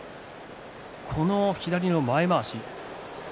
この左の前まわし。